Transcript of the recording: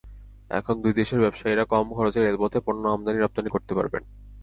এখন দুই দেশের ব্যবসায়ীরা কম খরচে রেলপথে পণ্য আমদানি রপ্তানি করতে পারবেন।